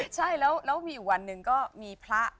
ใช่แล้วมีอยู่วันหนึ่งก็มีพระ